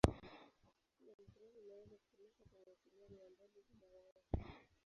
Simu ya mkononi inaweza kutumika kwa mawasiliano ya mbali bila waya.